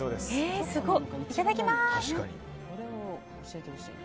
いただきます。